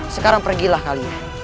sekarang pergilah ngalinya